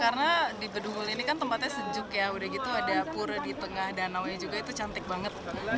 karena di bedugul ini kan tempatnya sejuk ya udah gitu ada pura di tengah danau juga itu cantik banget